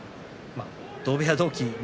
同部屋同期の翠